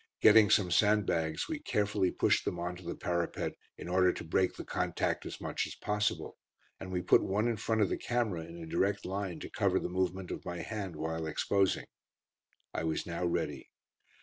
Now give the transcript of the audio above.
Getting some sandbags, we carefully pushed them on to the parapet, in order to break the contact as much as possible, and we put one in front of the camera in a direct line to cover the movement of my hand while exposing. I was now ready.